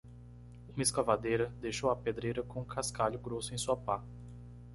Uma escavadeira deixou a pedreira com cascalho grosso em sua pá.